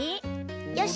よし！